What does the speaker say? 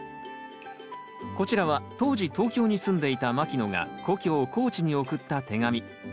こちらは当時東京に住んでいた牧野が故郷高知に送った手紙。